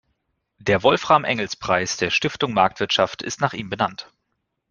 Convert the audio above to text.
Der Wolfram-Engels-Preis der Stiftung Marktwirtschaft ist nach ihm benannt.